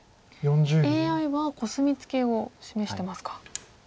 ＡＩはコスミツケを示してますか。